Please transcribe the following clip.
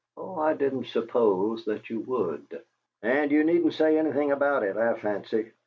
"Oh, I didn't suppose that you would." "And you needn't say anything about it, I fancy."